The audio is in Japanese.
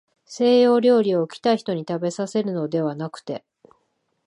西洋料理を、来た人にたべさせるのではなくて、